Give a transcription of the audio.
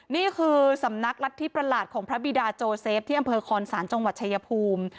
นี่คือสำนักรัฐธิประหลาดของพระบิดาโจเซฟที่อำเภอคอนศาลจังหวัดชายภูมิ